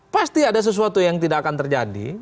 pasti ada sesuatu yang tidak akan terjadi